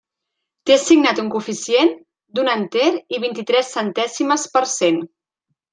Té assignat un coeficient d'un enter i vint-i-tres centèsimes per cent.